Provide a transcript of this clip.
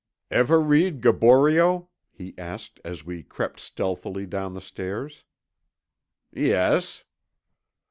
"Ever read Gaboriau?" he asked as we crept stealthily down the stairs. "Yes."